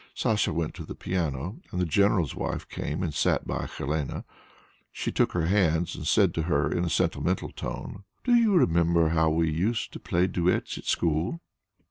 Sacha went to the piano and the general's wife came and sat by Helene. She took her hands and said to her in a sentimental tone, "Do you remember how often we used to play duets at school?"